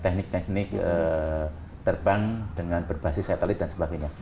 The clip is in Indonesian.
teknik teknik terbang dengan berbasis satelit dan sebagainya